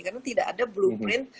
karena tidak ada blueprint